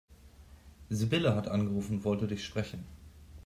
Sibylle hat angerufen und wollte dich sprechen.